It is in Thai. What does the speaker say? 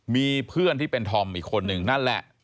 มีเพื่อนที่เป็นธอมอีกคนนึงนั่นแหละ